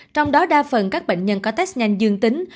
trong đó đa phần các bệnh nhân có test nhanh dương tính